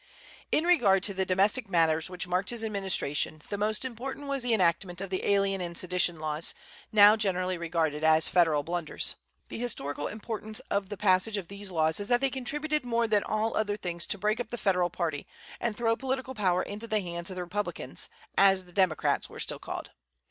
In regard to the domestic matters which marked his administration the most important was the enactment of the alien and sedition laws, now generally regarded as Federal blunders. The historical importance of the passage of these laws is that they contributed more than all other things together to break up the Federal party, and throw political power into the hands of the Republicans, as the Democrats were still called.